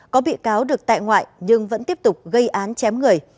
có bị cáo được tại ngoại nhưng vẫn tiếp tục gây án chém người